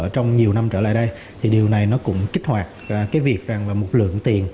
trong nhiều năm trở lại đây thì điều này cũng kích hoạt việc một lượng tiền